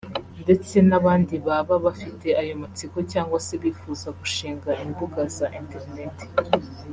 ndetse n’abandi baba bafite ayo matsiko cyangwa se bifuza gushinga imbuga za internet